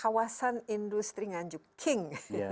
kawasan industri ganjuk king